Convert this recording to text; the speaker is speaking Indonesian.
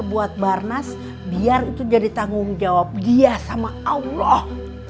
buat barnas biar itu jadi tanggung jawab dia sama allah